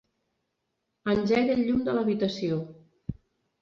Engega el llum de l'habitació.